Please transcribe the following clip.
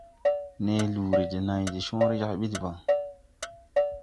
Ne luuri de nãy de cõõre jag ɓi debaŋ.